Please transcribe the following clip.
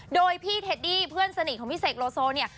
โดยพี่เทดดี้เพื่อนสนิทของพี่เสกโลโซเนี่ย